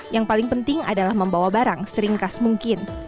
yang paling penting adalah membawa barang seringkas mungkin